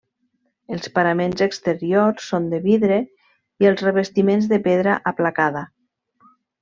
Els paraments exteriors són de vidre i els revestiments de pedra aplacada.